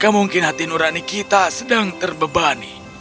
jika mungkin hati nurani kita sedang terbebani